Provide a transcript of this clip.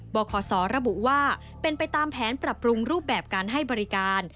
บขระบุว่าเป็นไปตามแผนปรับปรุงรูปแบบการให้บริการ